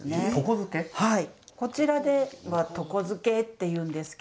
はい。